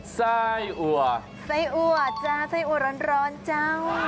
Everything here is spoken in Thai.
ไส้อัวไส้อัวจ้าไส้อัวร้อนเจ้า